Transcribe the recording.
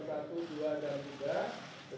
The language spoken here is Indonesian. kemudian nanti kawan kawan kita juga mencoba